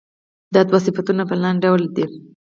دا دوه صفتونه په لاندې ډول دي.